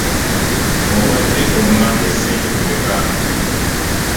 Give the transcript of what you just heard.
Obadde ommanja ssente mmeka?